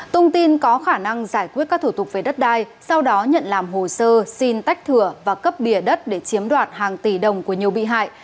tông tin có khả năng giải quyết các thủ tục về đất đai sau đó nhận làm hồ sơ xin tách thửa và cấp bìa đất để chiếm đoạt hàng tỷ đồng của nhiều bị hại